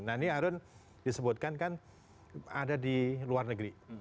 nah ini arun disebutkan kan ada di luar negeri